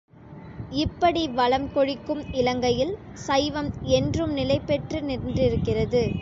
இப்படி வளம் கொழிக்கும் இலங்கையில், சைவம் என்றும் நிலைபெற்று நின்றிருக்கிறது.